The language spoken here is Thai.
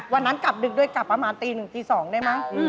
วันนั้นกลับดึกด้วยกลับประมาณตีหนึ่งตีสองได้ไหม